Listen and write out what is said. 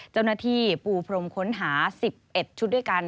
เจ้าหน้าที่ปูพรมค้นหา๑๑ชุดด้วยกัน